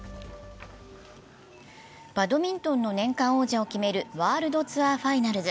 バドミントンの年間王者を決めるワールドツアーファイナルズ。